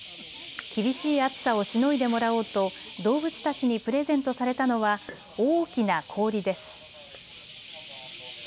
厳しい暑さをしのいでもらおうと動物たちにプレゼントされたのは大きな氷です。